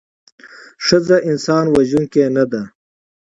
ښځه انسان وژوونکې نده